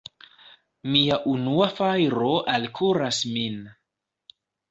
Mia unua fajro alkuras min!